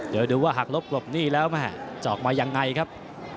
เดี๋ยวดูว่าหักลบหลบหนี้แล้วแม่จะออกมายังไงครับ